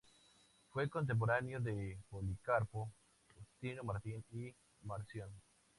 Fue contemporáneo de Policarpo, Justino Mártir y Marción.